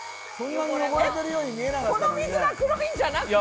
この水が黒いんじゃなくて？